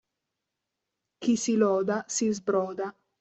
Chi si loda si sbroda.